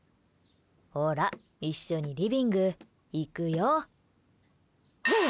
ほら、一緒にリビング行くよ。